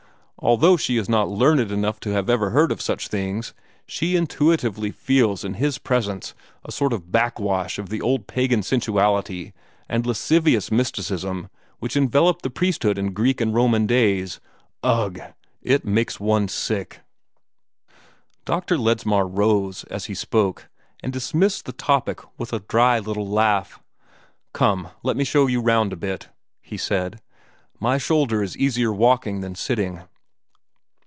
Although she is not learned enough to have ever heard of such things, she intuitively feels in his presence a sort of backwash of the old pagan sensuality and lascivious mysticism which enveloped the priesthood in Greek and Roman days. Ugh! It makes one sick!" Dr. Ledsmar rose, as he spoke, and dismissed the topic with a dry little laugh. "Come, let me show you round a bit," he said. "My shoulder is easier walking than sitting."